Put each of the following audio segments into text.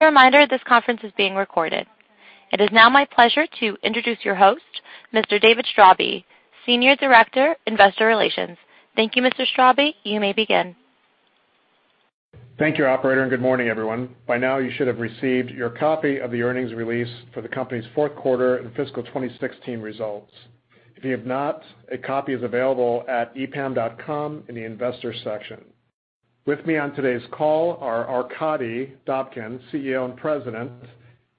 Reminder: this conference is being recorded. It is now my pleasure to introduce your host, Mr. David Straube, Senior Director, Investor Relations. Thank you, Mr. Straube. You may begin. Thank you, Operator, and good morning, everyone. By now, you should have received your copy of the earnings release for the company's fourth quarter and fiscal 2016 results. If you have not, a copy is available at EPAM.com in the Investor section. With me on today's call are Arkadiy Dobkin, CEO and President,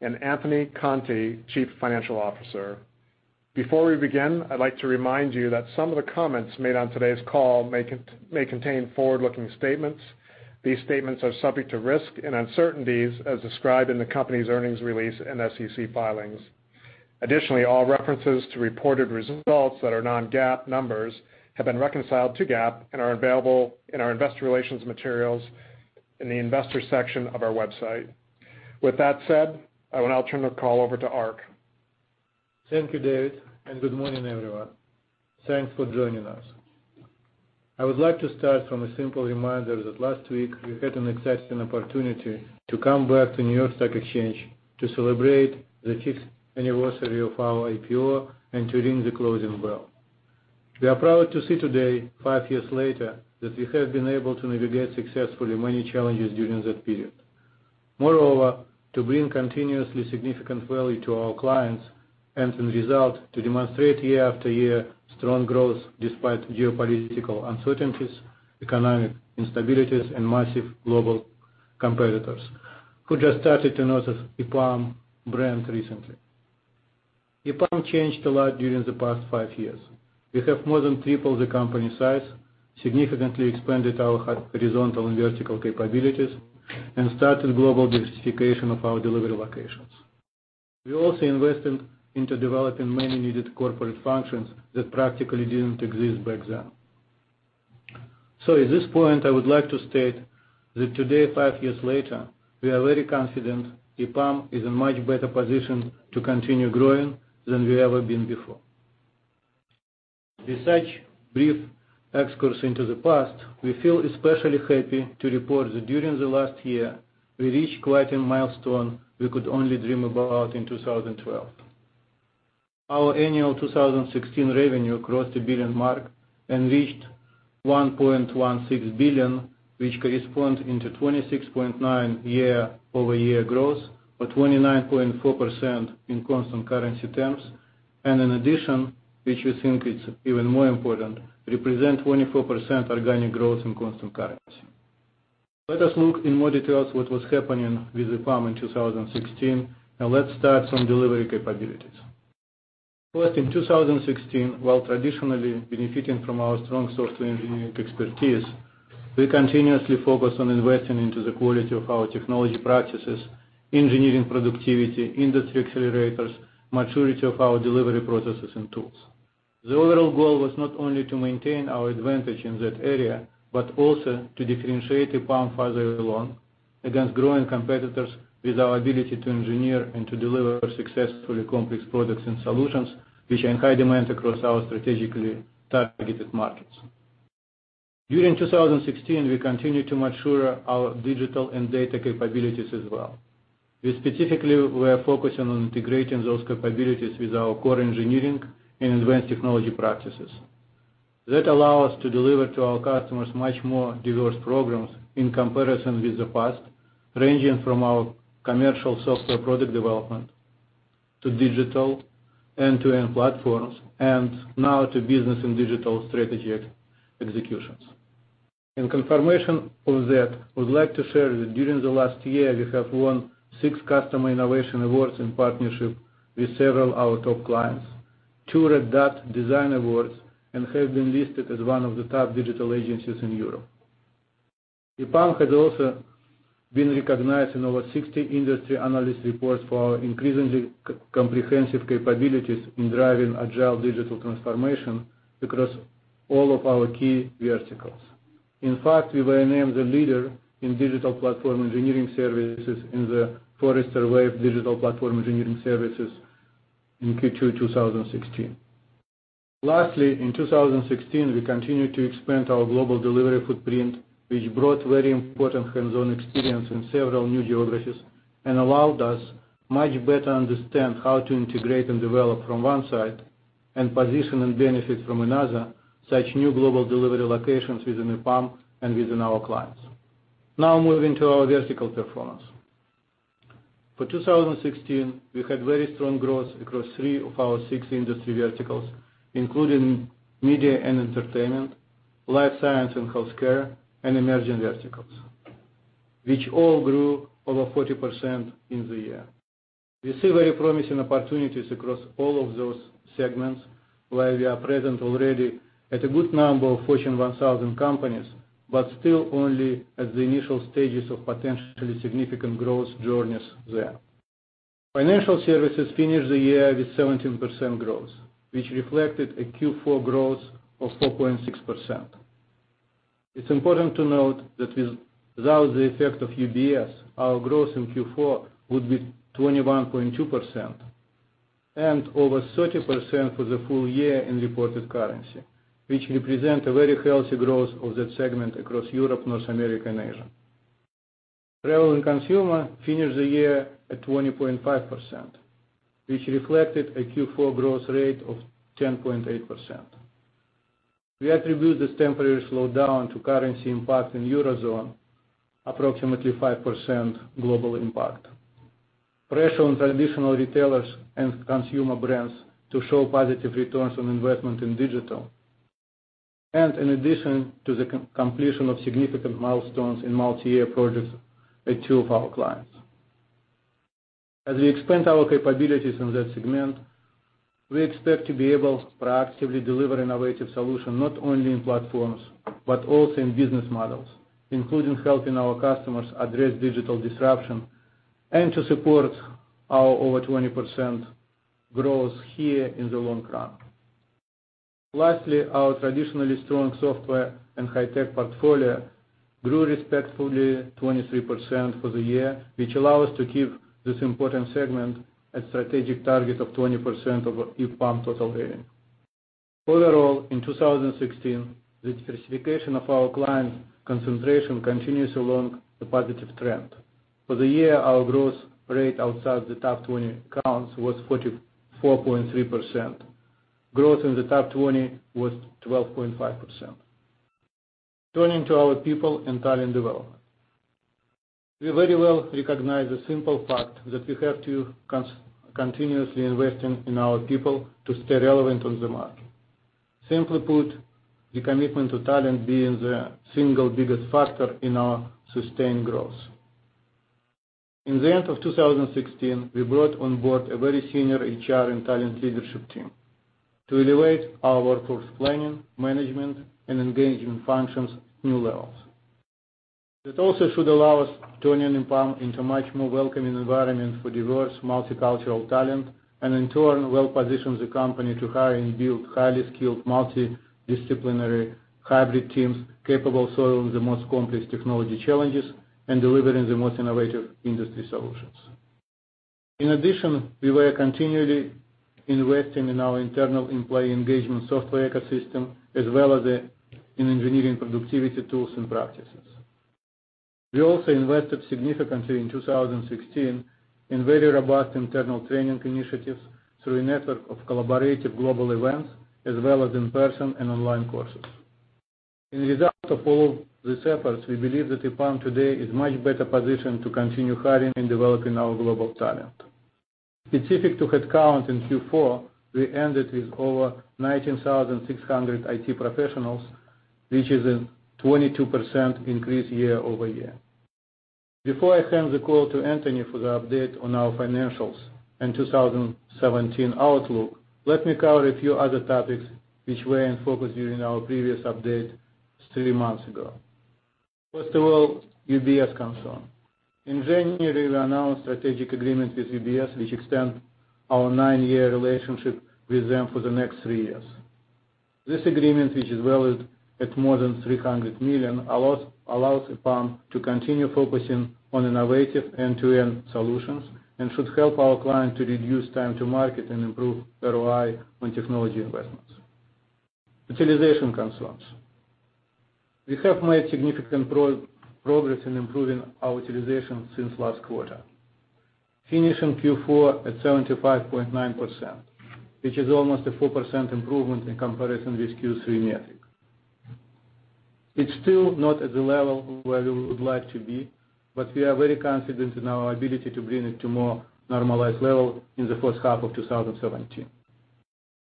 and Anthony Conte, Chief Financial Officer. Before we begin, I'd like to remind you that some of the comments made on today's call may contain forward-looking statements. These statements are subject to risk and uncertainties as described in the company's earnings release and SEC filings. Additionally, all references to reported results that are non-GAAP numbers have been reconciled to GAAP and are available in our Investor Relations materials in the Investor section of our website. With that said, I will now turn the call over to Ark. Thank you, David, and good morning, everyone. Thanks for joining us. I would like to start from a simple reminder that last week we had an exciting opportunity to come back to New York Stock Exchange to celebrate the fifth anniversary of our IPO and to ring the closing bell. We are proud to see today, five years later, that we have been able to navigate successfully many challenges during that period. Moreover, to bring continuously significant value to our clients and, in result, to demonstrate year after year strong growth despite geopolitical uncertainties, economic instabilities, and massive global competitors. Who just started to notice EPAM brand recently? EPAM changed a lot during the past five years. We have more than tripled the company size, significantly expanded our horizontal and vertical capabilities, and started global diversification of our delivery locations. We also invested into developing many needed corporate functions that practically didn't exist back then. So at this point, I would like to state that today, five years later, we are very confident EPAM is in a much better position to continue growing than we ever been before. With such brief excursion into the past, we feel especially happy to report that during the last year, we reached quite a milestone we could only dream about in 2012. Our annual 2016 revenue crossed the $1 billion mark and reached $1.16 billion, which corresponds to 26.9% year-over-year growth, or 29.4% in constant currency terms, and in addition, which we think is even more important, represents 24% organic growth in constant currency. Let us look in more details at what was happening with EPAM in 2016, and let's start from delivery capabilities. First, in 2016, while traditionally benefiting from our strong software engineering expertise, we continuously focused on investing into the quality of our technology practices, engineering productivity, industry accelerators, maturity of our delivery processes and tools. The overall goal was not only to maintain our advantage in that area but also to differentiate EPAM further along against growing competitors with our ability to engineer and to deliver successfully complex products and solutions which are in high demand across our strategically targeted markets. During 2016, we continued to mature our digital and data capabilities as well. We specifically were focusing on integrating those capabilities with our core engineering and advanced technology practices. That allowed us to deliver to our customers much more diverse programs in comparison with the past, ranging from our commercial software product development to digital end-to-end platforms and now to business and digital strategy executions. In confirmation of that, I would like to share that during the last year, we have won six customer innovation awards in partnership with several of our top clients, two Red Dot Design Awards, and have been listed as one of the top digital agencies in Europe. EPAM has also been recognized in over 60 industry analyst reports for our increasingly comprehensive capabilities in driving agile digital transformation across all of our key verticals. In fact, we were named the leader in digital platform engineering services in the Forrester Wave Digital Platform Engineering Services in Q2 2016. Lastly, in 2016, we continued to expand our global delivery footprint, which brought very important hands-on experience in several new geographies and allowed us to much better understand how to integrate and develop from one side and position and benefit from another such new global delivery locations within EPAM and within our clients. Now moving to our vertical performance. For 2016, we had very strong growth across three of our six industry verticals, including media and entertainment, life science and healthcare, and emerging verticals, which all grew over 40% in the year. We see very promising opportunities across all of those segments, where we are present already at a good number of Fortune 1000 companies but still only at the initial stages of potentially significant growth journeys there. Financial services finished the year with 17% growth, which reflected a Q4 growth of 4.6%. It's important to note that without the effect of UBS, our growth in Q4 would be 21.2% and over 30% for the full year in reported currency, which represents a very healthy growth of that segment across Europe, North America, and Asia. Travel and consumer finished the year at 20.5%, which reflected a Q4 growth rate of 10.8%. We attribute this temporary slowdown to currency impact in Eurozone, approximately 5% global impact, pressure on traditional retailers and consumer brands to show positive returns on investment in digital, and in addition to the completion of significant milestones in multi-year projects at two of our clients. As we expand our capabilities in that segment, we expect to be able proactively to deliver innovative solutions not only in platforms but also in business models, including helping our customers address digital disruption and to support our over 20% growth here in the long run. Lastly, our traditionally strong software and high-tech portfolio grew respectively 23% for the year, which allowed us to keep this important segment at a strategic target of 20% of EPAM total revenue. Overall, in 2016, the diversification of our clients' concentration continues along the positive trend. For the year, our growth rate outside the top 20 accounts was 44.3%. Growth in the top 20 was 12.5%. Turning to our people and talent development. We very well recognize the simple fact that we have to continuously invest in our people to stay relevant on the market. Simply put, the commitment to talent being the single biggest factor in our sustained growth. In the end of 2016, we brought on board a very senior HR and talent leadership team to elevate our workforce planning, management, and engagement functions to new levels. That also should allow us to turn EPAM into a much more welcoming environment for diverse, multicultural talent and, in turn, well-position the company to hire and build highly skilled, multidisciplinary, hybrid teams capable of solving the most complex technology challenges and delivering the most innovative industry solutions. In addition, we were continually investing in our internal employee engagement software ecosystem as well as in engineering productivity tools and practices. We also invested significantly in 2016 in very robust internal training initiatives through a network of collaborative global events as well as in-person and online courses. As a result of all of these efforts, we believe that EPAM today is much better positioned to continue hiring and developing our global talent. Specific to headcount in Q4, we ended with over 19,600 IT professionals, which is a 22% increase year-over-year. Before I hand the call to Anthony for the update on our financials and 2017 outlook, let me cover a few other topics which were in focus during our previous update three months ago. First of all, UBS concern. In January, we announced a strategic agreement with UBS which extends our nine-year relationship with them for the next three years. This agreement, which is valued at more than $300 million, allows EPAM to continue focusing on innovative end-to-end solutions and should help our client to reduce time to market and improve ROI on technology investments. Utilization concerns. We have made significant progress in improving our utilization since last quarter, finishing Q4 at 75.9%, which is almost a 4% improvement in comparison with Q3 metric. It's still not at the level where we would like to be, but we are very confident in our ability to bring it to a more normalized level in the first half of 2017.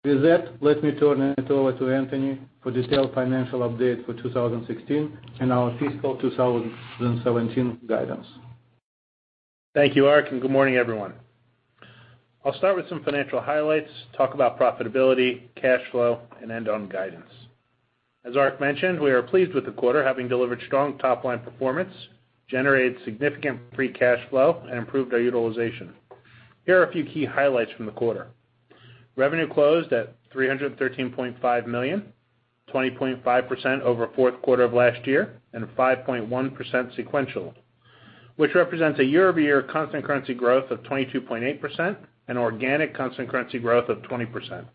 With that, let me turn it over to Anthony for a detailed financial update for 2016 and our fiscal 2017 guidance. Thank you, Ark, and good morning, everyone. I'll start with some financial highlights, talk about profitability, cash flow, and end-on guidance. As Ark mentioned, we are pleased with the quarter having delivered strong top-line performance, generated significant free cash flow, and improved our utilization. Here are a few key highlights from the quarter. Revenue closed at $313.5 million, 20.5% over fourth quarter of last year, and 5.1% sequential, which represents a year-over-year constant currency growth of 22.8% and organic constant currency growth of 20%.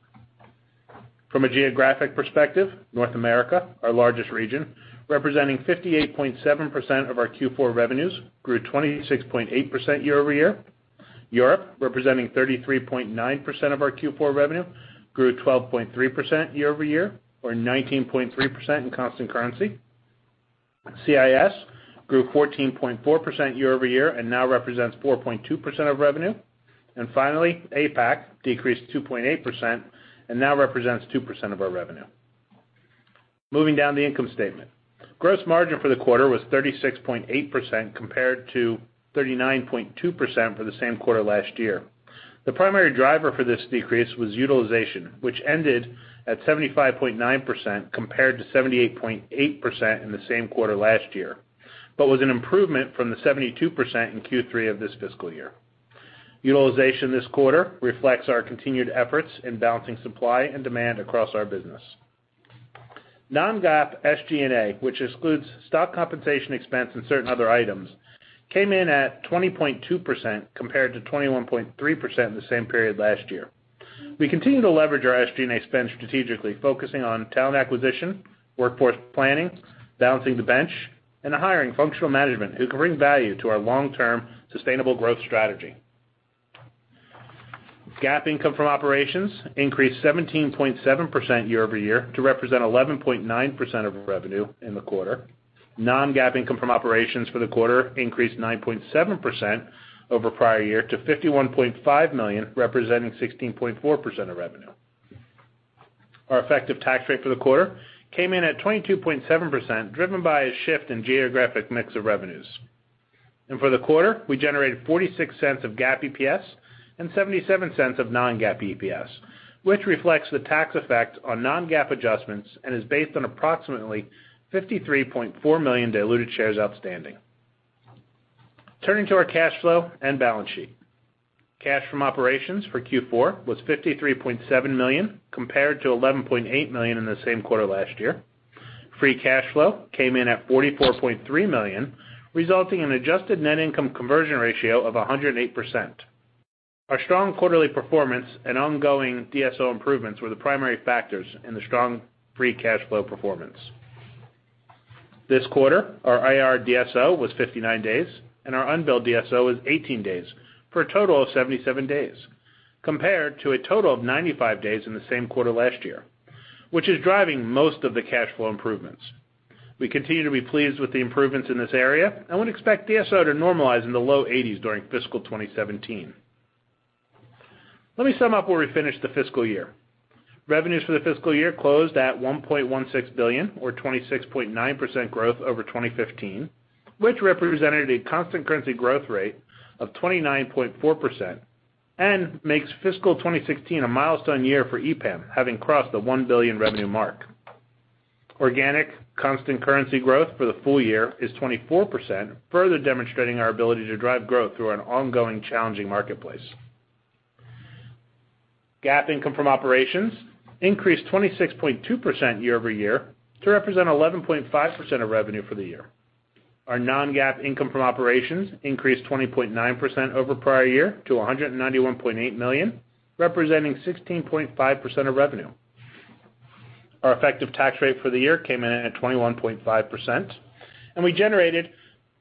From a geographic perspective, North America, our largest region, representing 58.7% of our Q4 revenues, grew 26.8% year-over-year. Europe, representing 33.9% of our Q4 revenue, grew 12.3% year-over-year, or 19.3% in constant currency. CIS grew 14.4% year-over-year and now represents 4.2% of revenue. And finally, APAC decreased 2.8% and now represents 2% of our revenue. Moving down the income statement, gross margin for the quarter was 36.8% compared to 39.2% for the same quarter last year. The primary driver for this decrease was utilization, which ended at 75.9% compared to 78.8% in the same quarter last year but was an improvement from the 72% in Q3 of this fiscal year. Utilization this quarter reflects our continued efforts in balancing supply and demand across our business. Non-GAAP SG&A, which excludes stock compensation expense and certain other items, came in at 20.2% compared to 21.3% in the same period last year. We continue to leverage our SG&A spend strategically, focusing on talent acquisition, workforce planning, balancing the bench, and hiring functional management who can bring value to our long-term sustainable growth strategy. GAAP income from operations increased 17.7% year-over-year to represent 11.9% of revenue in the quarter. Non-GAAP income from operations for the quarter increased 9.7% over prior year to $51.5 million, representing 16.4% of revenue. Our effective tax rate for the quarter came in at 22.7%, driven by a shift in geographic mix of revenues. For the quarter, we generated $0.46 of GAAP EPS and $0.77 of non-GAAP EPS, which reflects the tax effect on non-GAAP adjustments and is based on approximately 53.4 million diluted shares outstanding. Turning to our cash flow and balance sheet. Cash from operations for Q4 was $53.7 million compared to $11.8 million in the same quarter last year. Free cash flow came in at $44.3 million, resulting in an adjusted net income conversion ratio of 108%. Our strong quarterly performance and ongoing DSO improvements were the primary factors in the strong free cash flow performance. This quarter, our IR DSO was 59 days, and our unbilled DSO was 18 days for a total of 77 days compared to a total of 95 days in the same quarter last year, which is driving most of the cash flow improvements. We continue to be pleased with the improvements in this area and would expect DSO to normalize in the low 80s during fiscal 2017. Let me sum up where we finished the fiscal year. Revenues for the fiscal year closed at $1.16 billion, or 26.9% growth over 2015, which represented a constant currency growth rate of 29.4% and makes fiscal 2016 a milestone year for EPAM, having crossed the $1 billion revenue mark. Organic constant currency growth for the full year is 24%, further demonstrating our ability to drive growth through an ongoing challenging marketplace. GAAP income from operations increased 26.2% year-over-year to represent 11.5% of revenue for the year. Our non-GAAP income from operations increased 20.9% over prior year to $191.8 million, representing 16.5% of revenue. Our effective tax rate for the year came in at 21.5%, and we generated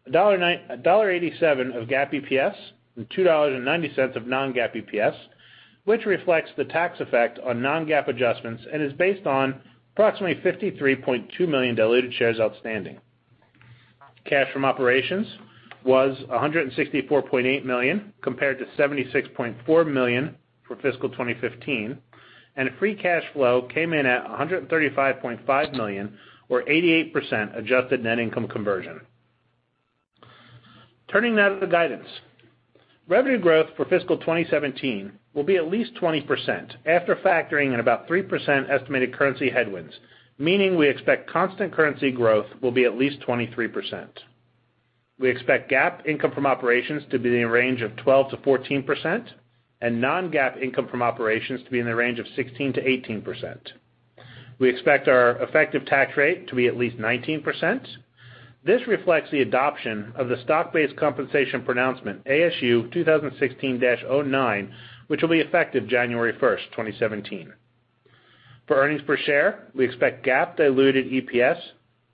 $1.87 of GAAP EPS and $2.90 of non-GAAP EPS, which reflects the tax effect on non-GAAP adjustments and is based on approximately 53.2 million diluted shares outstanding. Cash from operations was $164.8 million compared to $76.4 million for fiscal 2015, and free cash flow came in at $135.5 million, or 88% adjusted net income conversion. Turning now to the guidance. Revenue growth for fiscal 2017 will be at least 20% after factoring in about 3% estimated currency headwinds, meaning we expect constant currency growth will be at least 23%. We expect GAAP income from operations to be in the range of 12%-14%, and non-GAAP income from operations to be in the range of 16%-18%. We expect our effective tax rate to be at least 19%. This reflects the adoption of the stock-based compensation pronouncement, ASU 2016-09, which will be effective January 1st, 2017. For earnings per share, we expect GAAP diluted EPS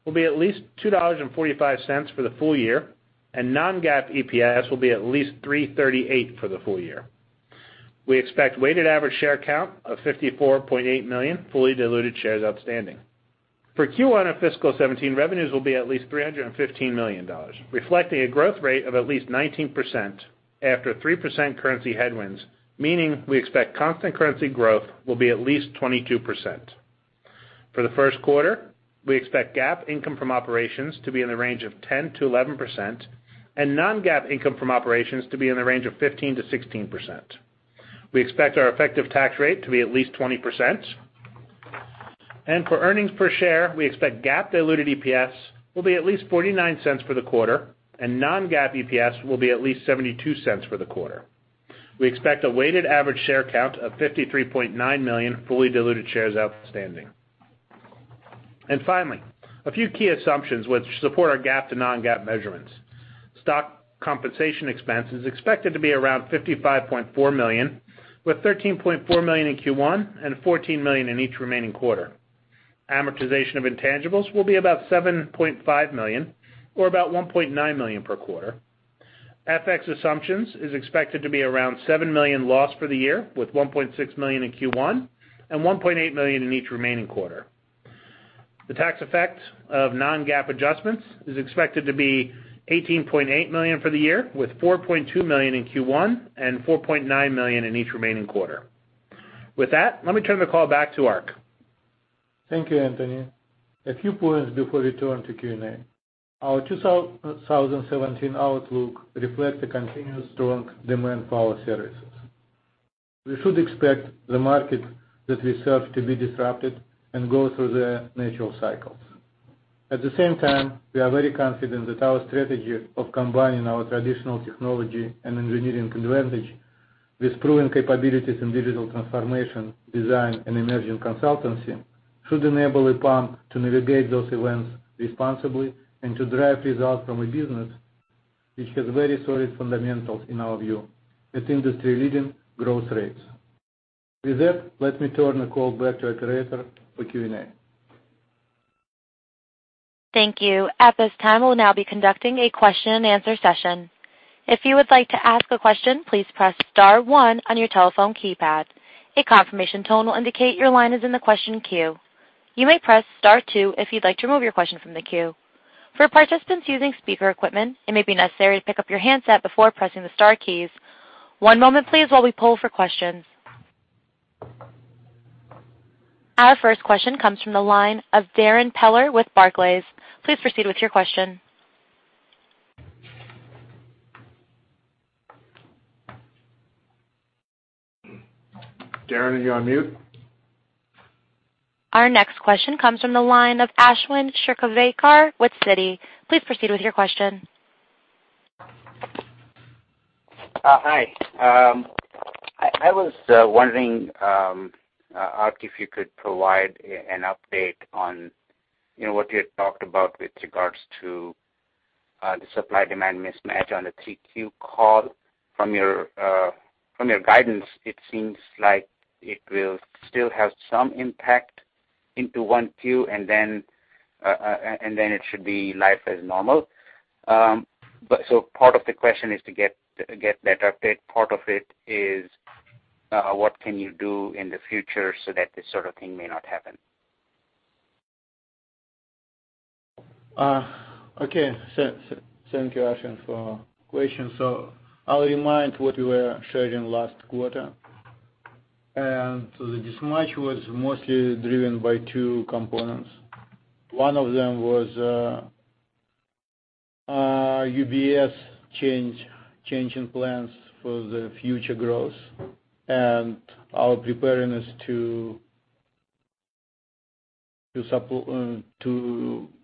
will be at least $2.45 for the full year, and non-GAAP EPS will be at least $3.38 for the full year. We expect weighted average share count of 54.8 million, fully diluted shares outstanding. For Q1 of fiscal 2017, revenues will be at least $315 million, reflecting a growth rate of at least 19% after 3% currency headwinds, meaning we expect constant currency growth will be at least 22%. For the first quarter, we expect GAAP income from operations to be in the range of 10%-11%, and non-GAAP income from operations to be in the range of 15%-16%. We expect our effective tax rate to be at least 20%. For earnings per share, we expect GAAP diluted EPS will be at least $0.49 for the quarter, and non-GAAP EPS will be at least $0.72 for the quarter. We expect a weighted average share count of 53.9 million fully diluted shares outstanding. Finally, a few key assumptions which support our GAAP to non-GAAP measurements. Stock compensation expense is expected to be around $55.4 million, with $13.4 million in Q1 and $14 million in each remaining quarter. Amortization of intangibles will be about $7.5 million, or about $1.9 million per quarter. FX assumptions is expected to be around -$7 million for the year, with -$1.6 million in Q1 and -$1.8 million in each remaining quarter. The tax effect of Non-GAAP adjustments is expected to be $18.8 million for the year, with $4.2 million in Q1 and $4.9 million in each remaining quarter. With that, let me turn the call back to Ark. Thank you, Anthony. A few points before we turn to Q&A. Our 2017 outlook reflects a continued strong demand for our services. We should expect the market that we serve to be disrupted and go through the natural cycles. At the same time, we are very confident that our strategy of combining our traditional technology and engineering advantage with proven capabilities in digital transformation, design, and emerging consultancy should enable EPAM to navigate those events responsibly and to drive results from a business which has very solid fundamentals in our view at industry-leading growth rates. With that, let me turn the call back to our operator for Q&A. Thank you. At this time, we'll now be conducting a question-and-answer session. If you would like to ask a question, please press star one on your telephone keypad. A confirmation tone will indicate your line is in the question queue. You may press star two if you'd like to remove your question from the queue. For participants using speaker equipment, it may be necessary to pick up your handset before pressing the star keys. One moment, please, while we poll for questions. Our first question comes from the line of Darren Peller with Barclays. Please proceed with your question. Darren, are you on mute? Our next question comes from the line of Ashwin Shirvaikar with Citi. Please proceed with your question. Hi. I was wondering, Ark, if you could provide an update on what you had talked about with regards to the supply-demand mismatch on the 3Q call. From your guidance, it seems like it will still have some impact into 1Q, and then it should be life as normal. So part of the question is to get that update. Part of it is, what can you do in the future so that this sort of thing may not happen? Okay. Thank you, Ashwin, for the question. So I'll remind what we were sharing last quarter. The mismatch was mostly driven by two components. One of them was UBS changing plans for the future growth and our preparedness to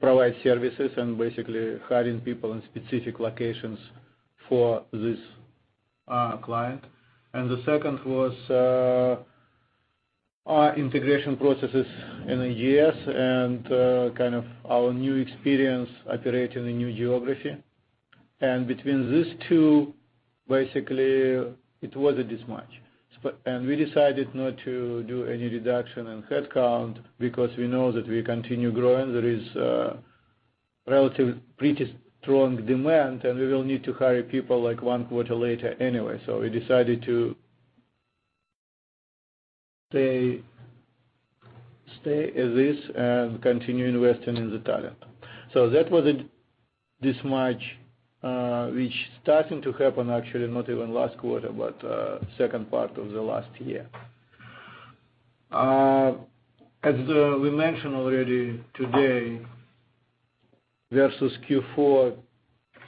provide services and basically hiring people in specific locations for this client. The second was our integration processes in the US and kind of our new experience operating in a new geography. Between these two, basically, it was a mismatch. We decided not to do any reduction in headcount because we know that we continue growing. There is pretty strong demand, and we will need to hire people one quarter later anyway. We decided to stay as this and continue investing in the talent. That was a mismatch which is starting to happen, actually, not even last quarter but second part of the last year. As we mentioned already today, versus Q3,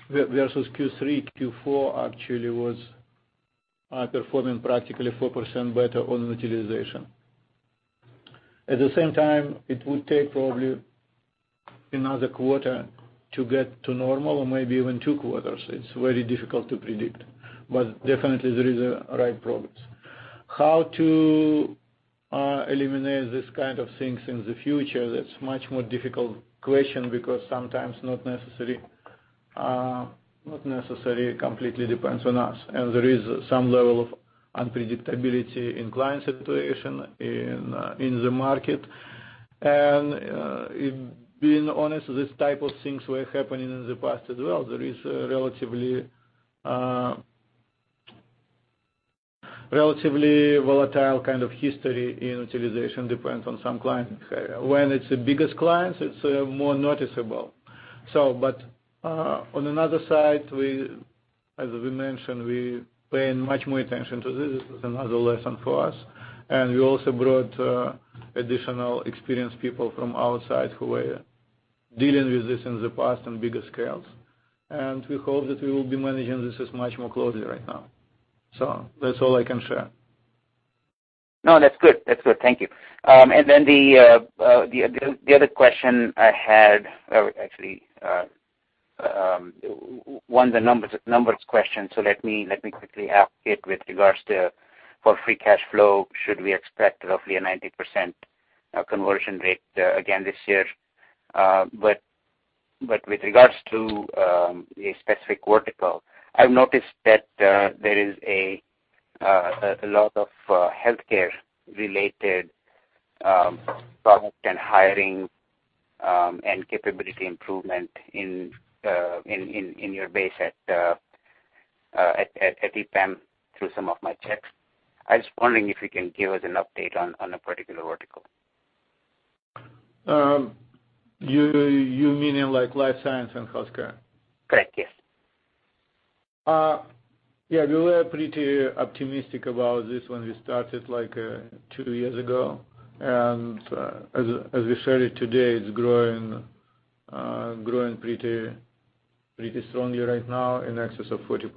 Q4 actually was performing practically 4% better on utilization. At the same time, it would take probably another quarter to get to normal or maybe even two quarters. It's very difficult to predict. But definitely, there is a right progress. How to eliminate these kinds of things in the future, that's a much more difficult question because sometimes not necessarily completely depends on us. And there is some level of unpredictability in client situation, in the market. And being honest, these type of things were happening in the past as well. There is a relatively volatile kind of history in utilization depending on some clients. When it's the biggest clients, it's more noticeable. But on another side, as we mentioned, we're paying much more attention to this. This is another lesson for us. We also brought additional experienced people from outside who were dealing with this in the past on bigger scales. We hope that we will be managing this much more closely right now. That's all I can share. No, that's good. That's good. Thank you. And then the other question I had actually won the numbers question. So let me quickly ask it with regards to free cash flow. Should we expect roughly a 90% conversion rate again this year? But with regards to a specific vertical, I've noticed that there is a lot of healthcare-related product and hiring and capability improvement in your base at EPAM. Through some of my checks, I was wondering if you can give us an update on a particular vertical. You meaning life science and healthcare? Correct. Yes. Yeah, we were pretty optimistic about this when we started two years ago. As we share it today, it's growing pretty strongly right now in excess of 40%.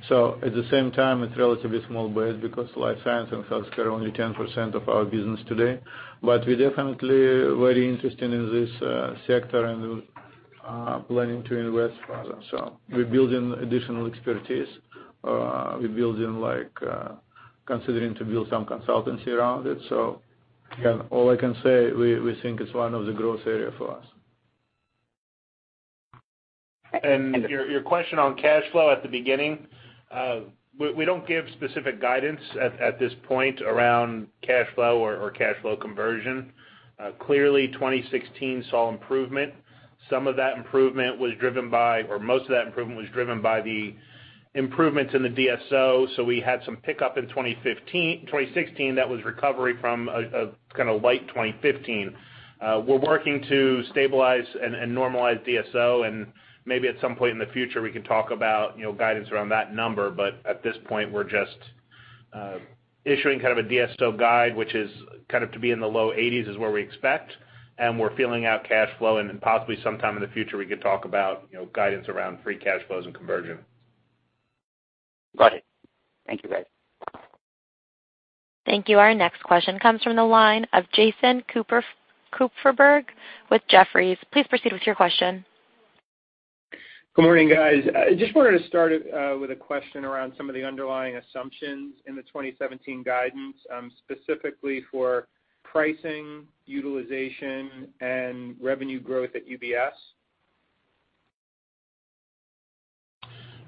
At the same time, it's a relatively small base because life science and healthcare are only 10% of our business today. We're definitely very interested in this sector and planning to invest further. We're building additional expertise. We're considering to build some consultancy around it. All I can say, we think it's one of the growth areas for us. Your question on cash flow at the beginning, we don't give specific guidance at this point around cash flow or cash flow conversion. Clearly, 2016 saw improvement. Some of that improvement was driven by or most of that improvement was driven by the improvements in the DSO. So we had some pickup in 2016. That was recovery from a kind of light 2015. We're working to stabilize and normalize DSO. And maybe at some point in the future, we can talk about guidance around that number. But at this point, we're just issuing kind of a DSO guide, which is kind of to be in the low 80s, is where we expect. And we're filling out cash flow. And possibly sometime in the future, we could talk about guidance around free cash flows and conversion. Got it. Thank you, guys. Thank you. Our next question comes from the line of Jason Kupferberg with Jefferies. Please proceed with your question. Good morning, guys. I just wanted to start with a question around some of the underlying assumptions in the 2017 guidance, specifically for pricing, utilization, and revenue growth at UBS.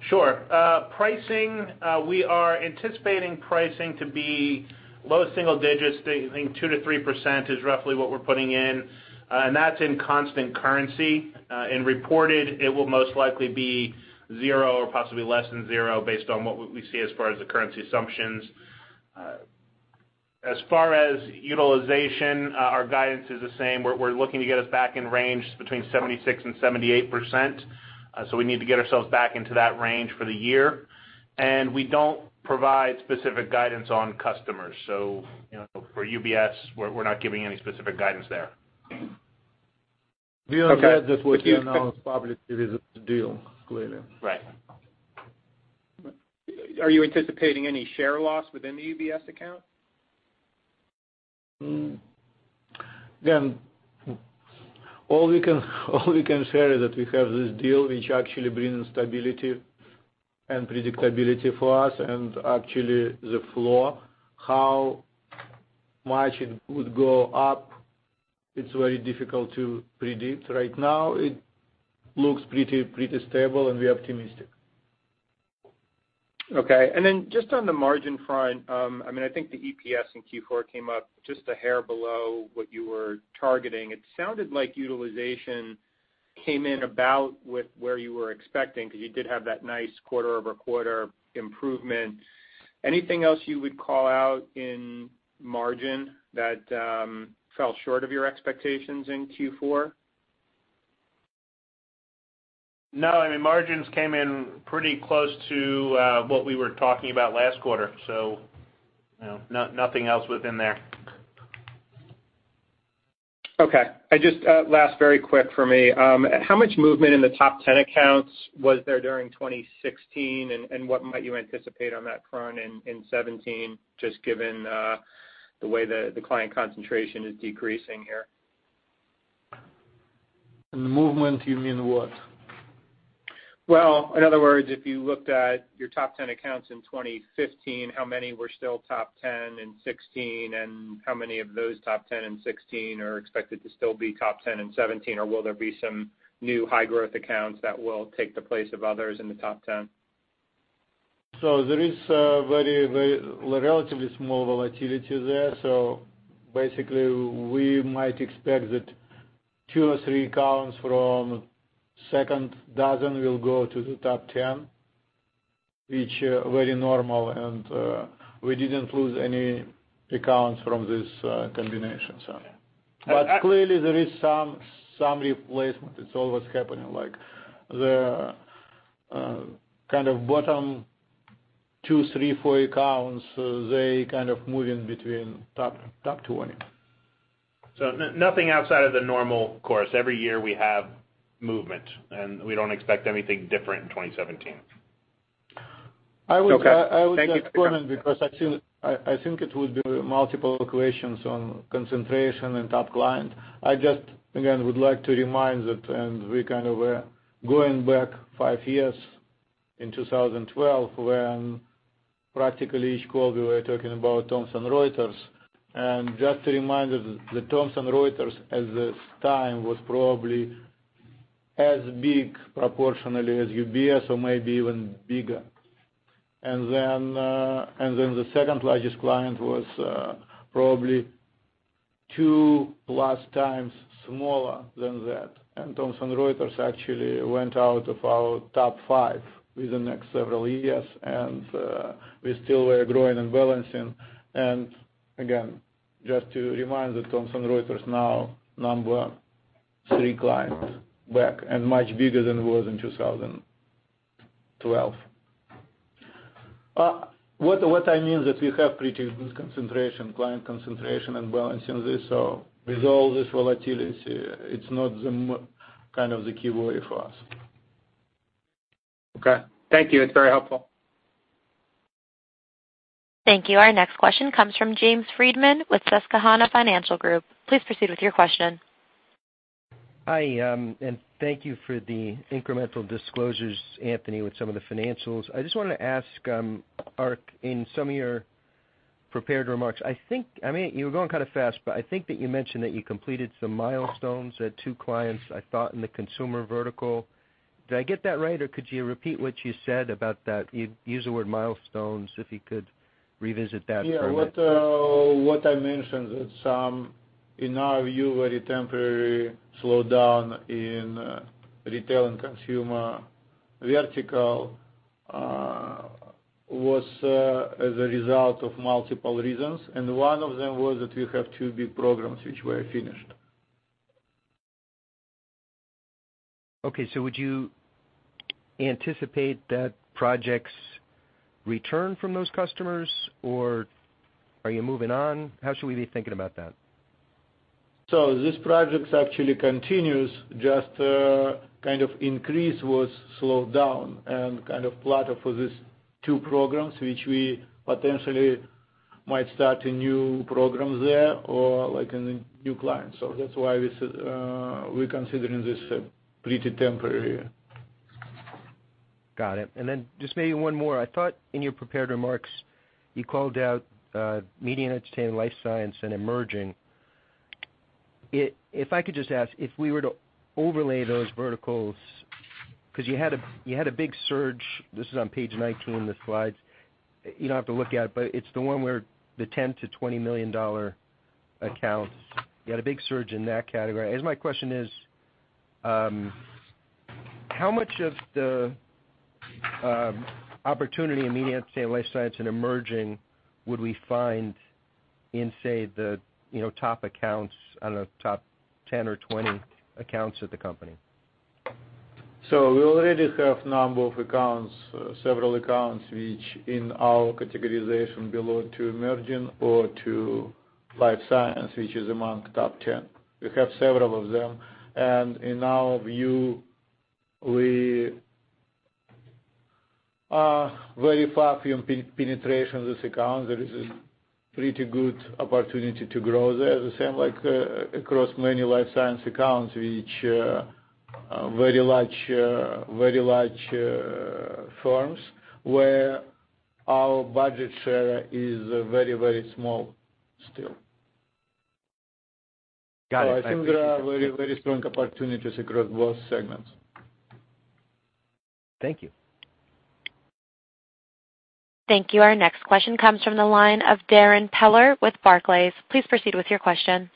Sure. We are anticipating pricing to be low single digits. I think 2%-3% is roughly what we're putting in. And that's in constant currency. In reported, it will most likely be zero or possibly less than zero based on what we see as far as the currency assumptions. As far as utilization, our guidance is the same. We're looking to get us back in range between 76%-78%. So we need to get ourselves back into that range for the year. And we don't provide specific guidance on customers. So for UBS, we're not giving any specific guidance there. We only had this within our public deals, clearly. Right. Are you anticipating any share loss within the UBS account? Again, all we can share is that we have this deal which actually brings stability and predictability for us. And actually, the floor, how much it would go up, it's very difficult to predict. Right now, it looks pretty stable, and we're optimistic. Okay. And then just on the margin front, I mean, I think the EPS in Q4 came up just a hair below what you were targeting. It sounded like utilization came in about with where you were expecting because you did have that nice quarter-over-quarter improvement. Anything else you would call out in margin that fell short of your expectations in Q4? No. I mean, margins came in pretty close to what we were talking about last quarter. So nothing else within there. Okay. Just last very quick for me. How much movement in the top 10 accounts was there during 2016? And what might you anticipate on that front in 2017, just given the way that the client concentration is decreasing here? In movement, you mean what? Well, in other words, if you looked at your top 10 accounts in 2015, how many were still top 10 in 2016? And how many of those top 10 in 2016 are expected to still be top 10 in 2017? Or will there be some new high-growth accounts that will take the place of others in the top 10? So there is relatively small volatility there. So basically, we might expect that 2 or 3 accounts from the second dozen will go to the top 10, which is very normal. And we didn't lose any accounts from this combination, so. But clearly, there is some replacement. It's always happening. The kind of bottom 2, 3, 4 accounts, they're kind of moving between top 20. Nothing outside of the normal course. Every year, we have movement. We don't expect anything different in 2017. I would just comment because I think it would be multiple questions on concentration and top client. I just, again, would like to remind that we kind of were going back five years in 2012 when, practically, each call, we were talking about Thomson Reuters. And just to remind that Thomson Reuters, at this time, was probably as big proportionally as UBS or maybe even bigger. And then the second largest client was probably two-plus times smaller than that. And Thomson Reuters actually went out of our top five within the next several years. And we still were growing and balancing. And again, just to remind that Thomson Reuters is now number three client back and much bigger than it was in 2012. What I mean is that we have pretty good client concentration and balancing this. With all this volatility, it's not kind of the key worry for us. Okay. Thank you. It's very helpful. Thank you. Our next question comes from James Friedman with Susquehanna Financial Group. Please proceed with your question. Hi. Thank you for the incremental disclosures, Anthony, with some of the financials. I just wanted to ask, Ark, in some of your prepared remarks, I mean, you were going kind of fast, but I think that you mentioned that you completed some milestones at two clients, I thought, in the consumer vertical. Did I get that right? Or could you repeat what you said about that? Use the word milestones if you could revisit that for me. Yeah. What I mentioned is that, in our view, a very temporary slowdown in the retail and consumer vertical was as a result of multiple reasons. One of them was that we have two big programs which were finished. Okay. So would you anticipate that projects return from those customers? Or are you moving on? How should we be thinking about that? This project actually continues. Just kind of the increase was slowed down and kind of plotted for these two programs, which we potentially might start a new program there or a new client. That's why we're considering this pretty temporary. Got it. Then just maybe one more. I thought in your prepared remarks, you called out media and entertainment, life science, and emerging. If I could just ask, if we were to overlay those verticals because you had a big surge. This is on page 19, the slides. You don't have to look at it. But it's the one where the $10 million-$20 million accounts, you had a big surge in that category. My question is, how much of the opportunity in media and entertainment, life science, and emerging would we find in, say, the top 10 or 20 accounts at the company? I don't know, top 10 or 20 accounts at the company? So we already have a number of accounts, several accounts which, in our categorization, belong to emerging or to life science which is among top 10. We have several of them. In our view, we verify from penetration of these accounts. There is a pretty good opportunity to grow there. The same across many life science accounts which are very large firms where our budget share is very, very small still. So I think there are very, very strong opportunities across both segments. Thank you. Thank you. Our next question comes from the line of Darren Peller with Barclays. Please proceed with your question.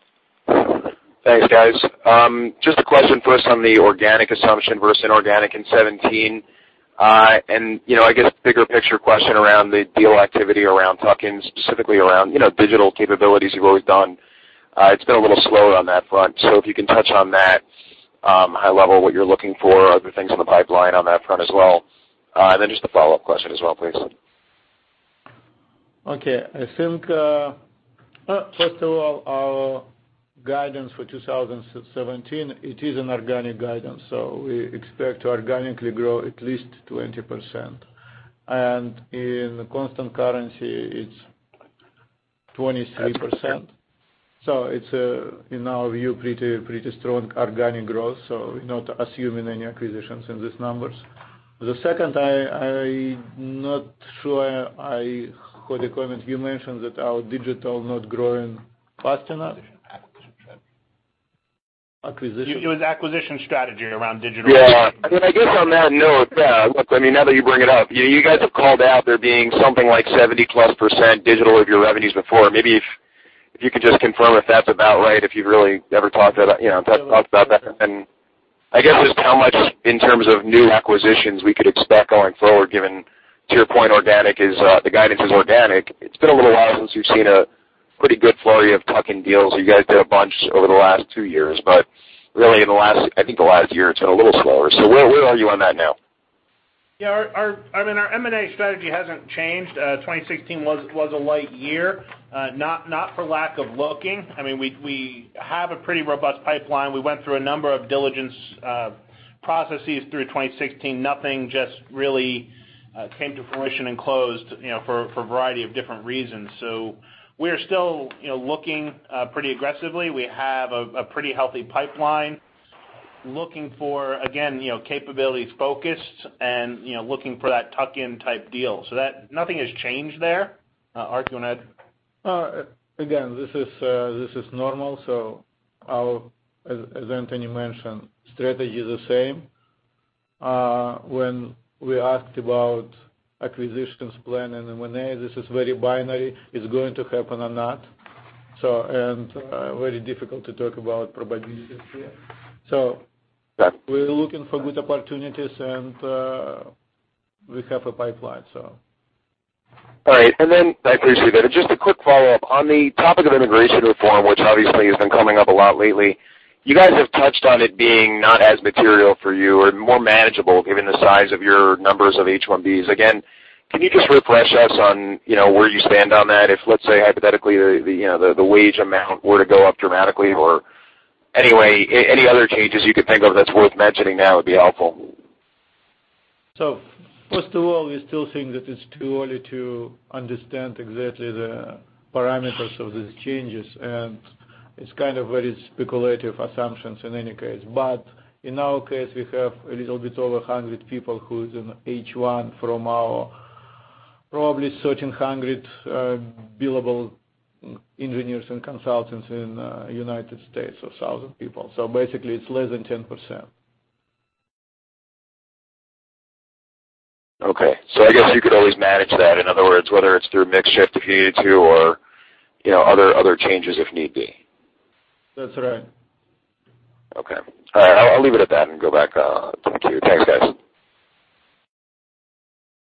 Thanks, guys. Just a question first on the organic assumption versus inorganic in 2017. And I guess a bigger picture question around the deal activity around tuck-in, specifically around digital capabilities you've always done. It's been a little slower on that front. So if you can touch on that high level, what you're looking for, other things in the pipeline on that front as well. And then just a follow-up question as well, please. Okay. First of all, our guidance for 2017, it is an organic guidance. So we expect to organically grow at least 20%. And in constant currency, it's 23%. So it's, in our view, pretty strong organic growth. So we're not assuming any acquisitions in these numbers. The second, I'm not sure I heard the comment. You mentioned that our digital is not growing fast enough. Acquisition. It was acquisition strategy around digital. Yeah. I mean, I guess on that note, yeah. Look, I mean, now that you bring it up, you guys have called out there being something like 70%+ digital of your revenues before. Maybe if you could just confirm if that's about right, if you've really ever talked about that. And I guess just how much, in terms of new acquisitions, we could expect going forward, given, to your point, organic is the guidance is organic. It's been a little while since we've seen a pretty good flurry of tuck-in deals. You guys did a bunch over the last two years. But really, I think the last year, it's been a little slower. So where are you on that now? Yeah. I mean, our M&A strategy hasn't changed. 2016 was a light year, not for lack of looking. I mean, we have a pretty robust pipeline. We went through a number of diligence processes through 2016. Nothing just really came to fruition and closed for a variety of different reasons. So we are still looking pretty aggressively. We have a pretty healthy pipeline looking for, again, capabilities-focused and looking for that tuck-in-type deal. So nothing has changed there. Ark, you want to add? Again, this is normal. So as Anthony mentioned, the strategy is the same. When we asked about acquisitions plan and M&A, this is very binary. It's going to happen or not. And very difficult to talk about probabilities here. So we're looking for good opportunities. And we have a pipeline, so. All right. And then I appreciate that. And just a quick follow-up. On the topic of immigration reform, which obviously has been coming up a lot lately, you guys have touched on it being not as material for you or more manageable, given the size of your numbers of H-1Bs. Again, can you just refresh us on where you stand on that if, let's say, hypothetically, the wage amount were to go up dramatically? Or anyway, any other changes you could think of that's worth mentioning now would be helpful. So first of all, we still think that it's too early to understand exactly the parameters of these changes. It's kind of very speculative assumptions in any case. But in our case, we have a little bit over 100 people who are in H-1B from our probably 1,300 billable engineers and consultants in the United States or 1,000 people. So basically, it's less than 10%. Okay. I guess you could always manage that. In other words, whether it's through a mixed shift if you needed to or other changes if need be. That's right. Okay. All right. I'll leave it at that and go back to the queue. Thanks, guys.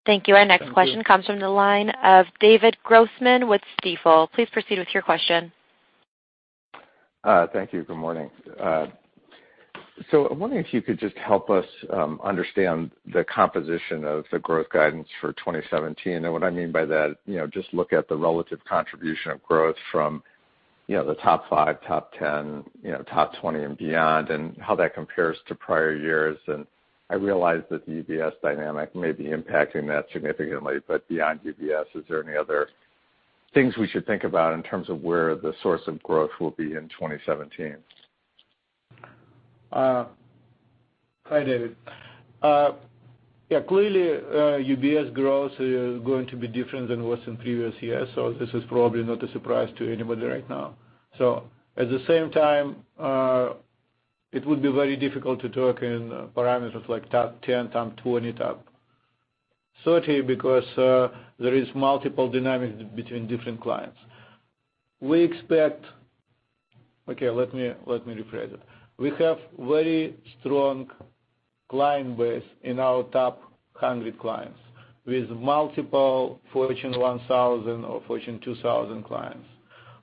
Thank you. Our next question comes from the line of David Grossman with Stifel. Please proceed with your question. Thank you. Good morning. I'm wondering if you could just help us understand the composition of the growth guidance for 2017. What I mean by that, just look at the relative contribution of growth from the top 5, top 10, top 20, and beyond, and how that compares to prior years. I realize that the UBS dynamic may be impacting that significantly. Beyond UBS, is there any other things we should think about in terms of where the source of growth will be in 2017? Hi, David. Yeah. Clearly, UBS growth is going to be different than it was in previous years. So this is probably not a surprise to anybody right now. So at the same time, it would be very difficult to talk in parameters like top 10, top 20, top 30 because there are multiple dynamics between different clients. Okay. Let me rephrase it. We have a very strong client base in our top 100 clients with multiple Fortune 1,000 or Fortune 2,000 clients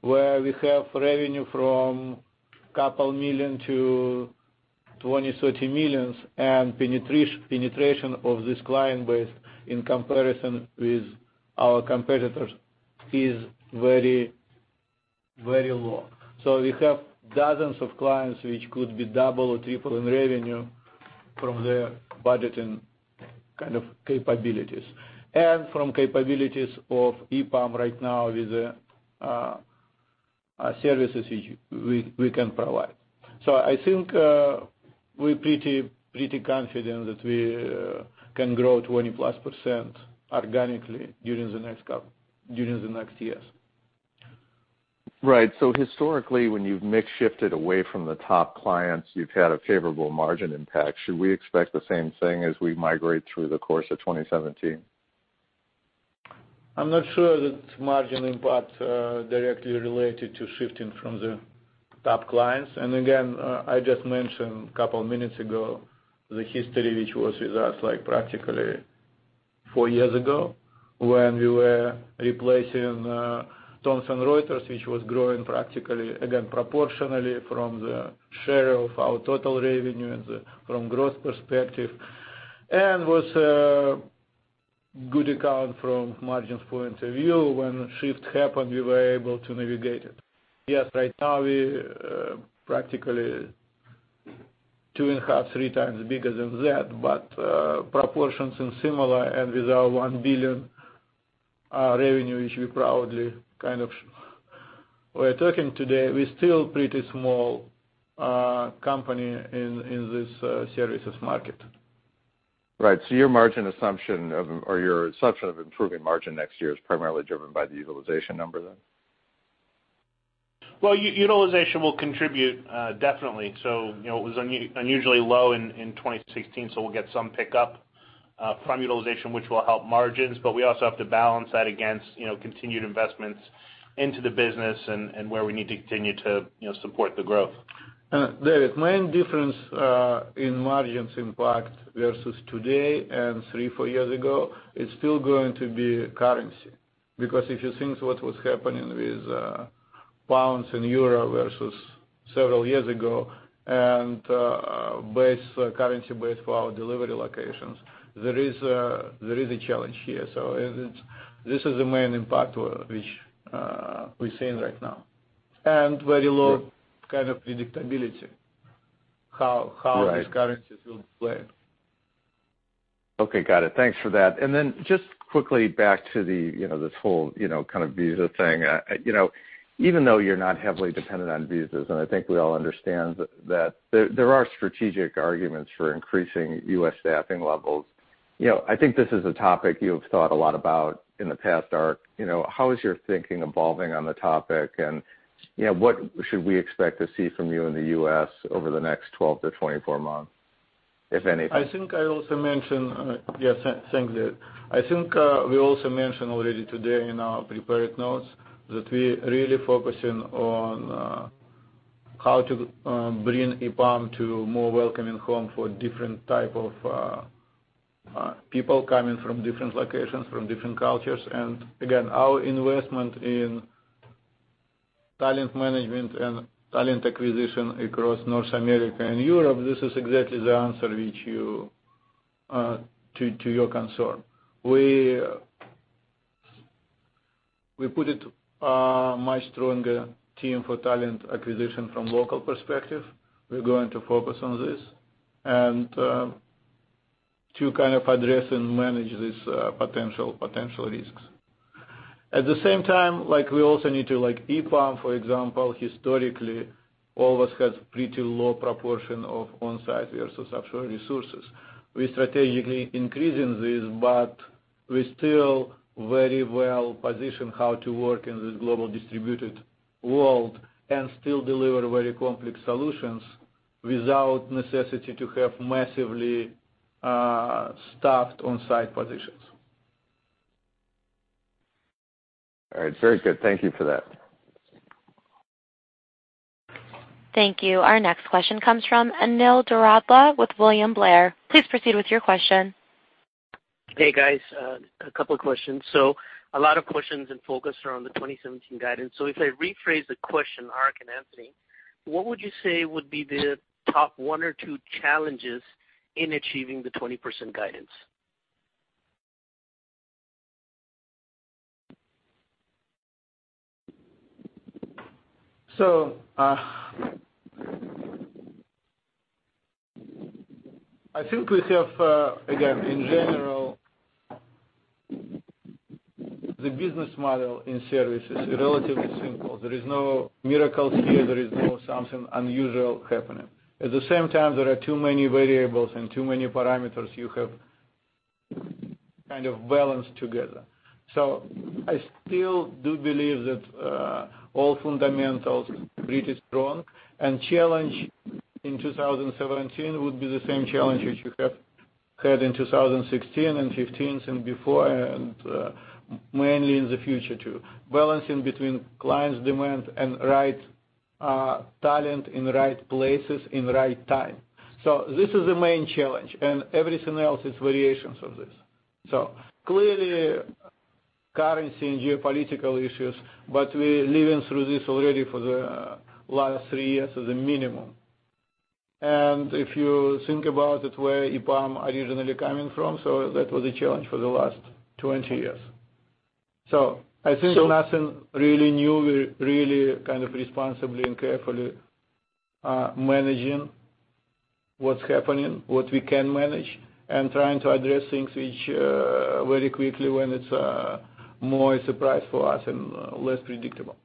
where we have revenue from $2 million to $20-$30 million. And penetration of this client base in comparison with our competitors is very, very low. So we have dozens of clients which could be double or triple in revenue from their budgeting kind of capabilities and from capabilities of EPAM right now with the services which we can provide. I think we're pretty confident that we can grow 20%+ organically during the next year. Right. So historically, when you've mixed shifted away from the top clients, you've had a favorable margin impact. Should we expect the same thing as we migrate through the course of 2017? I'm not sure that the margin impact is directly related to shifting from the top clients. Again, I just mentioned a couple of minutes ago the history which was with us practically 4 years ago when we were replacing Thomson Reuters which was growing practically, again, proportionally from the share of our total revenue and from a growth perspective. And it was a good account from a margins point of view. When the shift happened, we were able to navigate it. Yes. Right now, we're practically 2.5-3 times bigger than that. But proportions are similar. And with our $1 billion revenue which we proudly kind of were talking today, we're still a pretty small company in this services market. Right. So your margin assumption or your assumption of improving margin next year is primarily driven by the utilization number then? Well, utilization will contribute definitely. It was unusually low in 2016. We'll get some pickup from utilization which will help margins. But we also have to balance that against continued investments into the business and where we need to continue to support the growth. And David, the main difference in margins impact versus today and 3-4 years ago, it's still going to be currency. Because if you think about what was happening with pounds and euro versus several years ago and currency-based for our delivery locations, there is a challenge here. So this is the main impact which we're seeing right now and very low kind of predictability how these currencies will be playing. Okay. Got it. Thanks for that. And then just quickly back to this whole kind of visa thing. Even though you're not heavily dependent on visas - and I think we all understand that - there are strategic arguments for increasing US. staffing levels. I think this is a topic you have thought a lot about in the past, Ark. How is your thinking evolving on the topic? And what should we expect to see from you in the US over the next 12-24 months, if anything? I think I also mentioned yeah. Thanks, David. I think we also mentioned already today in our prepared notes that we're really focusing on how to bring EPAM to a more welcoming home for different types of people coming from different locations, from different cultures. And again, our investment in talent management and talent acquisition across North America and Europe, this is exactly the answer to your concern. We put a much stronger team for talent acquisition from a local perspective. We're going to focus on this to kind of address and manage these potential risks. At the same time, we also need to EPAM, for example, historically, always had a pretty low proportion of on-site versus offshore resources. We're strategically increasing this. But we're still very well positioned how to work in this global distributed world and still deliver very complex solutions without necessity to have massively staffed on-site positions. All right. Very good. Thank you for that. Thank you. Our next question comes from Anil Doradla with William Blair. Please proceed with your question. Hey, guys. A couple of questions. So a lot of questions and focus around the 2017 guidance. So if I rephrase the question, Ark and Anthony, what would you say would be the top one or two challenges in achieving the 20% guidance? So I think we have, again, in general, the business model in services is relatively simple. There are no miracles here. There is no something unusual happening. At the same time, there are too many variables and too many parameters you have kind of balanced together. So I still do believe that all fundamentals are pretty strong. And the challenge in 2017 would be the same challenge which you have had in 2016 and '15s and before and mainly in the future too, balancing between clients' demand and right talent in the right places in the right time. So this is the main challenge. And everything else, it's variations of this. So clearly, currency and geopolitical issues. But we're living through this already for the last three years as a minimum. If you think about it, where EPAM was originally coming from, so that was a challenge for the last 20 years. I think nothing really new. We're really kind of responsibly and carefully managing what's happening, what we can manage, and trying to address things very quickly when it's more a surprise for us and less predictable.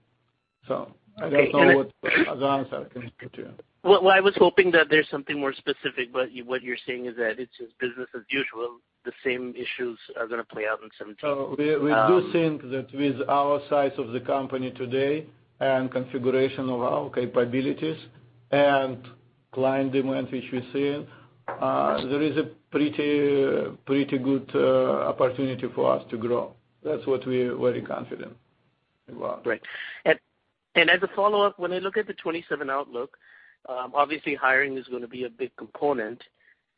I don't know what other answer I can give to you. Well, I was hoping that there's something more specific. What you're saying is that it's just business as usual. The same issues are going to play out in 2017. So we do think that with our size of the company today and configuration of our capabilities and client demand which we're seeing, there is a pretty good opportunity for us to grow. That's what we're very confident about. Right. As a follow-up, when I look at the 2027 outlook, obviously, hiring is going to be a big component.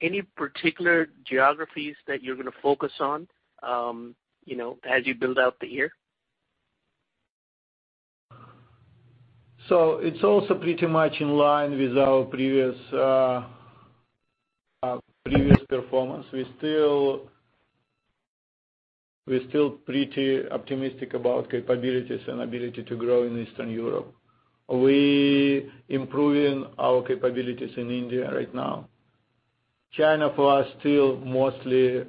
Any particular geographies that you're going to focus on as you build out the year? It's also pretty much in line with our previous performance. We're still pretty optimistic about capabilities and the ability to grow in Eastern Europe. We're improving our capabilities in India right now. China for us is still mostly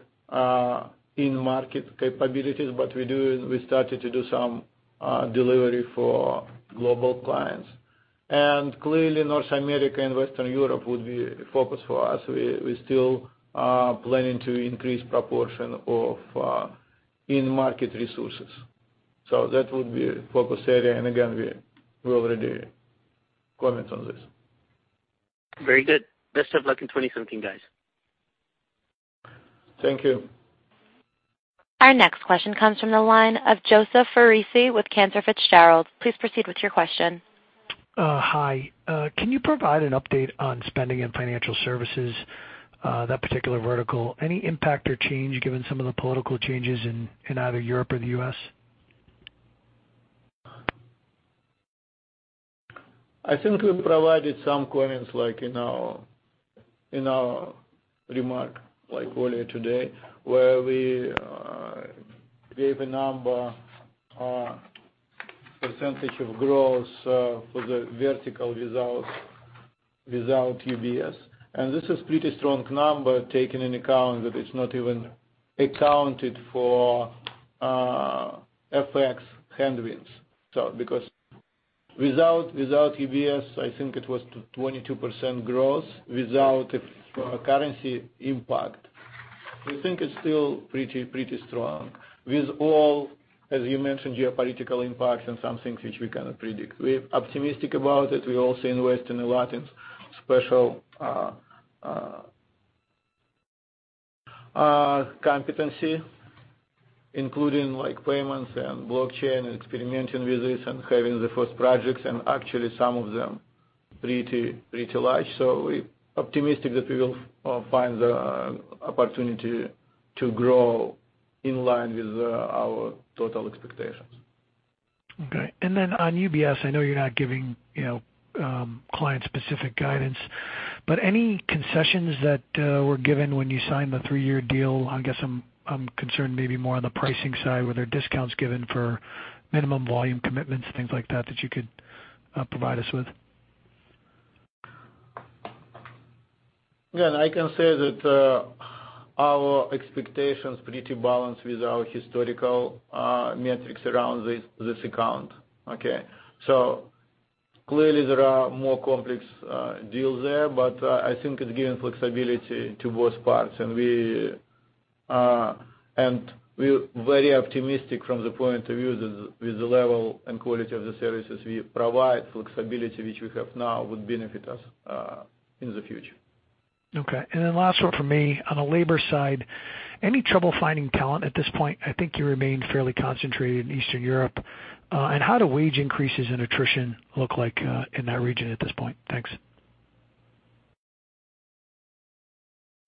in-market capabilities. But we started to do some delivery for global clients. And clearly, North America and Western Europe would be a focus for us. We're still planning to increase the proportion of in-market resources. That would be a focus area. Again, we're already commenting on this. Very good. Best of luck in 2017, guys. Thank you. Our next question comes from the line of Joseph Foresi with Cantor Fitzgerald. Please proceed with your question. Hi. Can you provide an update on spending and financial services, that particular vertical, any impact or change given some of the political changes in either Europe or the US? I think we provided some comments in our remark earlier today where we gave a number, a percentage of growth for the vertical without UBS. And this is a pretty strong number taken into account that it's not even accounted for FX headwinds because without UBS, I think it was 22% growth without currency impact. We think it's still pretty strong with all, as you mentioned, geopolitical impacts and some things which we cannot predict. We're optimistic about it. We also invest in a lot in special competency, including payments and blockchain and experimenting with this and having the first projects. And actually, some of them are pretty large. So we're optimistic that we will find the opportunity to grow in line with our total expectations. Okay. And then on UBS, I know you're not giving client-specific guidance. But any concessions that were given when you signed the three-year deal? I guess I'm concerned maybe more on the pricing side where there are discounts given for minimum volume commitments, things like that that you could provide us with? Again, I can say that our expectations are pretty balanced with our historical metrics around this account. Okay? So clearly, there are more complex deals there. But I think it's given flexibility to both parts. And we're very optimistic from the point of view that with the level and quality of the services we provide, the flexibility which we have now would benefit us in the future. Okay. And then last one from me on the labor side. Any trouble finding talent at this point? I think you remain fairly concentrated in Eastern Europe. And how do wage increases and attrition look like in that region at this point? Thanks.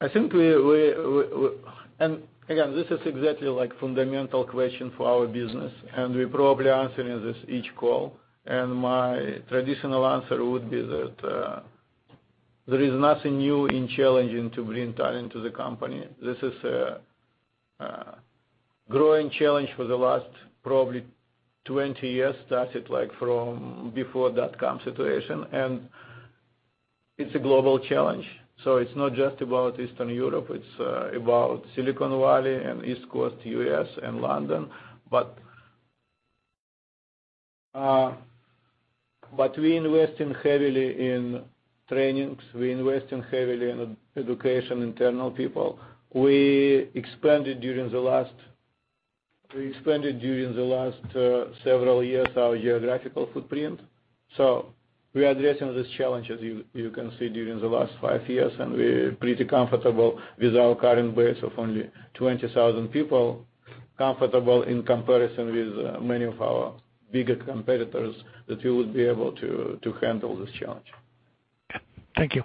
I think, and again, this is exactly a fundamental question for our business. We're probably answering this on each call. My traditional answer would be that there is nothing new in challenging to bring talent to the company. This is a growing challenge for the last probably 20 years, starting from before the dot-com situation. It's a global challenge. So it's not just about Eastern Europe. It's about Silicon Valley and East Coast, the US, and London. But we're investing heavily in trainings. We're investing heavily in education, internal people. We expanded during the last several years our geographical footprint. So we're addressing these challenges, as you can see, during the last five years. We're pretty comfortable with our current base of only 20,000 people, comfortable in comparison with many of our bigger competitors that we would be able to handle this challenge. Thank you.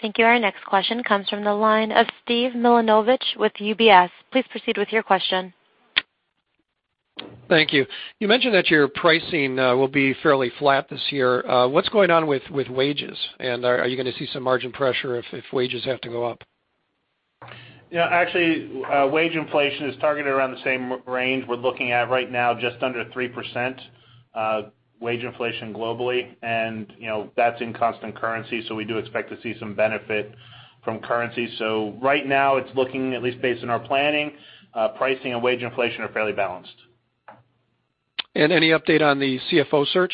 Thank you. Our next question comes from the line of Steve Milunovich with UBS. Please proceed with your question. Thank you. You mentioned that your pricing will be fairly flat this year. What's going on with wages? And are you going to see some margin pressure if wages have to go up? Yeah. Actually, wage inflation is targeted around the same range we're looking at right now, just under 3% wage inflation globally. And that's in constant currency. So we do expect to see some benefit from currency. So right now, it's looking, at least based on our planning, pricing and wage inflation are fairly balanced. And any update on the CFO search?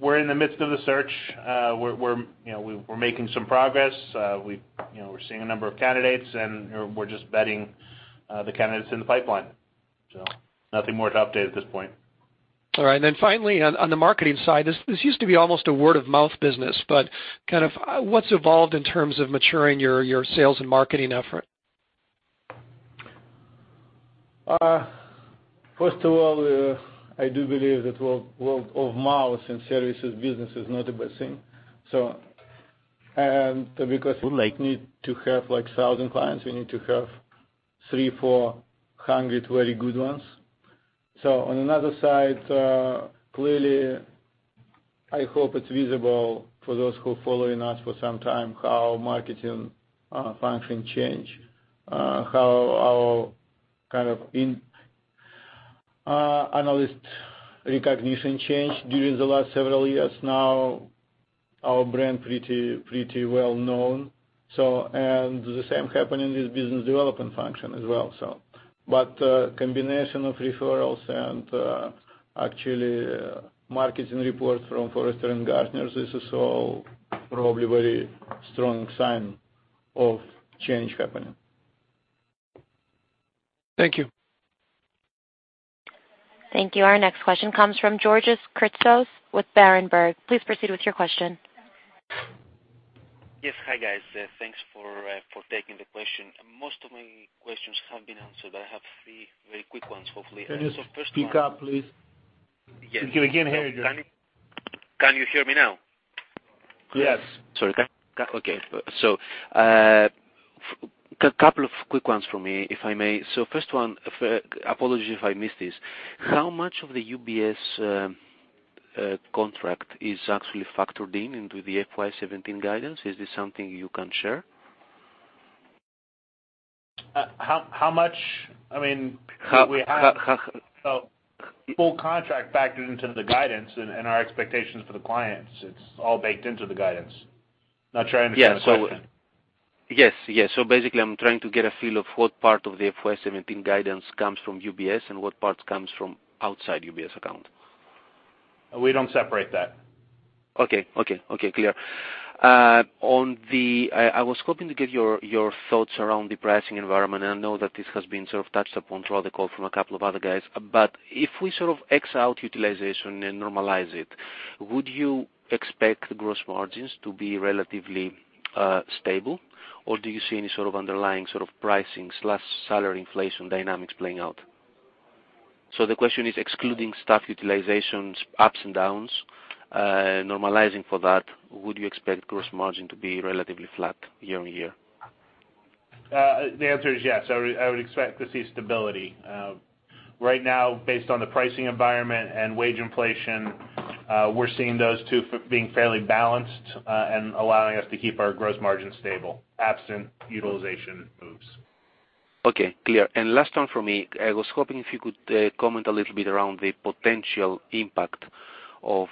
We're in the midst of the search. We're making some progress. We're seeing a number of candidates. And we're just vetting the candidates in the pipeline. So nothing more to update at this point. All right. And then finally, on the marketing side, this used to be almost a word-of-mouth business. Kind of, what's evolved in terms of maturing your sales and marketing effort? First of all, I do believe that word-of-mouth in services business is not a bad thing. Because we need to have 1,000 clients, we need to have 3,400 very good ones. On the other side, clearly, I hope it's visible for those who are following us for some time how marketing functions changed, how our kind of analyst recognition changed during the last several years. Now, our brand is pretty well-known. The same is happening with business development function as well. The combination of referrals and actually marketing reports from Forrester and Gartner, this is all probably a very strong sign of change happening. Thank you. Thank you. Our next question comes from Georgios Kertsos with Berenberg. Please proceed with your question. Yes. Hi, guys. Thanks for taking the question. Most of my questions have been answered. But I have three very quick ones, hopefully. And so first one. Can you speak up, please? Yes. Again, here you go. Can you hear me now? Yes. Sorry. Okay. So a couple of quick ones from me, if I may. So first one, apologies if I missed this. How much of the UBS contract is actually factored in into the FY17 guidance? Is this something you can share? How much? I mean, we have full contract factored into the guidance and our expectations for the clients. It's all baked into the guidance. Not sure I understand the question. Yes. Yes. Yes. So basically, I'm trying to get a feel of what part of the FY17 guidance comes from UBS and what part comes from outside the UBS account. We don't separate that. Okay. Okay. Okay. Clear. I was hoping to get your thoughts around the pricing environment. And I know that this has been sort of touched upon throughout the call from a couple of other guys. But if we sort of X out utilization and normalize it, would you expect the gross margins to be relatively stable? Or do you see any sort of underlying pricing/salary inflation dynamics playing out? So the question is, excluding staff utilization, ups and downs, normalizing for that, would you expect gross margin to be relatively flat year-on-year? The answer is yes. I would expect to see stability. Right now, based on the pricing environment and wage inflation, we're seeing those two being fairly balanced and allowing us to keep our gross margin stable absent utilization moves. Okay. Clear. And last one from me. I was hoping if you could comment a little bit around the potential impact to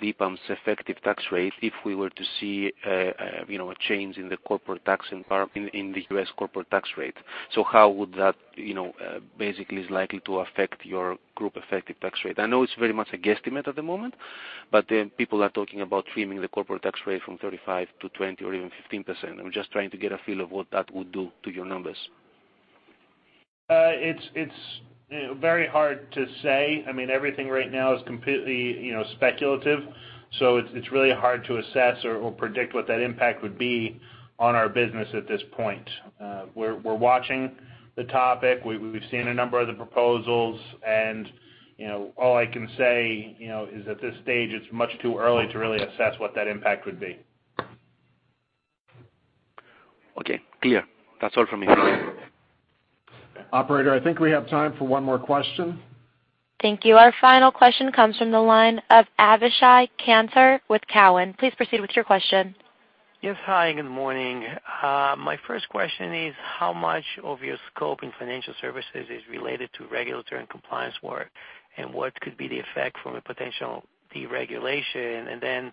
EPAM's effective tax rate if we were to see a change in the US. corporate tax rate. So how would that basically likely affect your group effective tax rate? I know it's very much a guesstimate at the moment. But people are talking about trimming the corporate tax rate from 35% to 20% or even 15%. I'm just trying to get a feel of what that would do to your numbers. It's very hard to say. I mean, everything right now is completely speculative. So it's really hard to assess or predict what that impact would be on our business at this point. We're watching the topic. We've seen a number of the proposals. And all I can say is, at this stage, it's much too early to really assess what that impact would be. Okay. Clear. That's all from me. Operator, I think we have time for one more question. Thank you. Our final question comes from the line of Avishai Kantor with Cowen. Please proceed with your question. Yes. Hi. Good morning. My first question is, how much of your scope in financial services is related to regulatory and compliance work? And what could be the effect from a potential deregulation? And then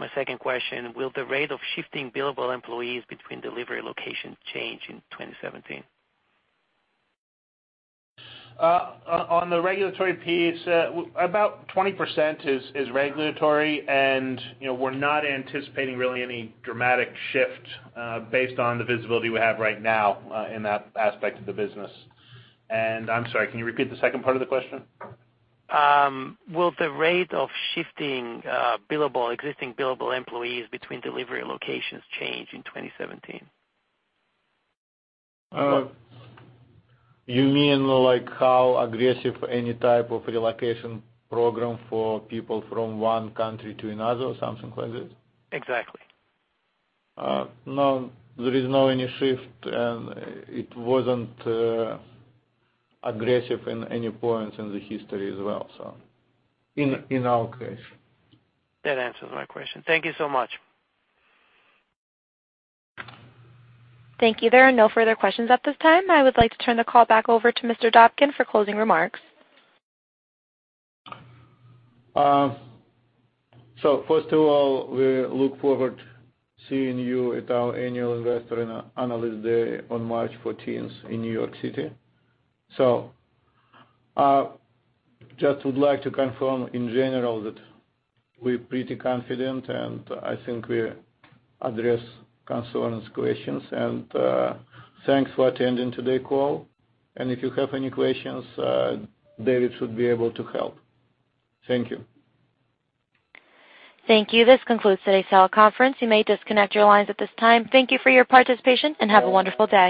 my second question, will the rate of shifting billable employees between delivery locations change in 2017? On the regulatory piece, about 20% is regulatory. We're not anticipating really any dramatic shift based on the visibility we have right now in that aspect of the business. I'm sorry. Can you repeat the second part of the question? Will the rate of shifting existing billable employees between delivery locations change in 2017? You mean how aggressive any type of relocation program for people from one country to another or something like that? Exactly. No. There is no any shift. It wasn't aggressive in any points in the history as well, in our case. That answers my question. Thank you so much. Thank you. There are no further questions at this time. I would like to turn the call back over to Mr. Dobkin for closing remarks. So first of all, we look forward to seeing you at our annual investor and analyst day on March 14th in New York City. So I just would like to confirm, in general, that we're pretty confident. And I think we addressed concerns and questions. And thanks for attending today's call. And if you have any questions, David should be able to help. Thank you. Thank you. This concludes today's teleconference. You may disconnect your lines at this time. Thank you for your participation. Have a wonderful day.